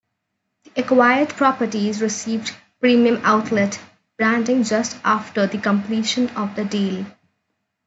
The acquired properties received Premium Outlet branding just after the completion of the deal.